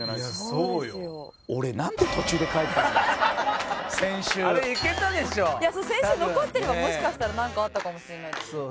そう先週残ってればもしかしたらなんかあったかもしれないですよね。